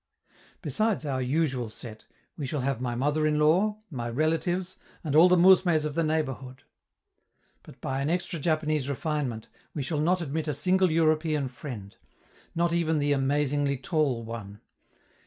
Besides our usual set, we shall have my mother in law, my relatives, and all the mousmes of the neighborhood. But, by an extra Japanese refinement, we shall not admit a single European friend not even the "amazingly tall" one.